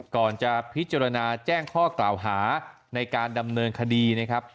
ก่อนจะพิจารณาแจ้งข้อกล่าวหาในการดำเนินคดีนะครับ